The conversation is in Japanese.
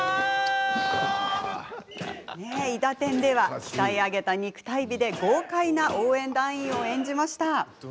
「いだてん」では鍛え上げた肉体美で豪快な応援団員を演じました。